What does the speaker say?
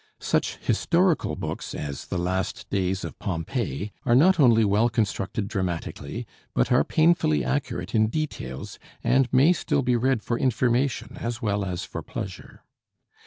Such historical books as 'The Last Days of Pompeii' are not only well constructed dramatically, but are painfully accurate in details, and may still be read for information as well as for pleasure.